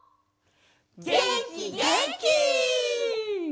げんきげんき！